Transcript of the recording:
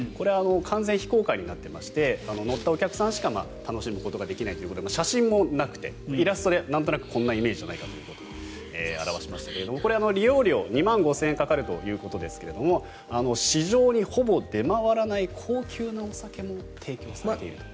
完全非公開になっていまして乗ったお客さんしか楽しめないということで写真もなくてイラストでなんとなくこんなイメージではと表しましたが利用料、２万５０００円かかるということですが市場にほぼ出回らない高級なお酒も提供されていると。